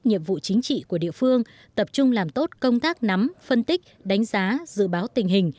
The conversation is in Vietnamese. nhiệm vụ chính trị của địa phương tập trung làm tốt công tác nắm phân tích đánh giá dự báo tình hình